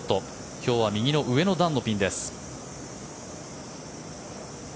今日は右の上の段のピンです。